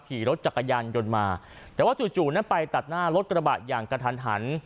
ขี่รถจักรยานยนต์มาแต่ว่าจู่นั้นไปตัดหน้ารถกระบะอย่างกระทันหัน